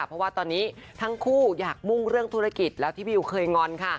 เพราะว่าตอนนี้ทั้งคู่อยากมุ่งเรื่องธุรกิจแล้วที่บิวเคยงอนค่ะ